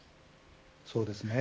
そうですね。